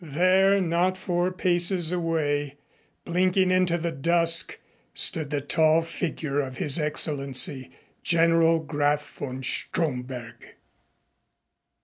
There, not four paces away, blinking into the dusk, stood the tall figure of His Excellency, General Graf von Stromberg.